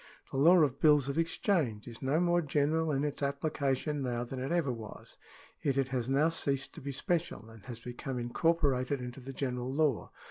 The law of bills of exchange is no more general in its application now, than it ever was ; yet it has now ceased to be special, and has become incorporated into the general law.